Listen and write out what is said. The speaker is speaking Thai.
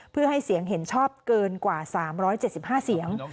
เพื่อให้เสียงเห็นชอบเกินกว่า๓๗๕เสียง